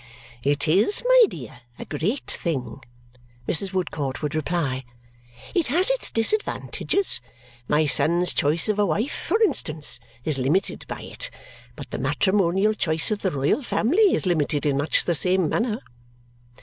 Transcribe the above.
"It IS, my dear, a great thing," Mrs. Woodcourt would reply. "It has its disadvantages; my son's choice of a wife, for instance, is limited by it, but the matrimonial choice of the royal family is limited in much the same manner."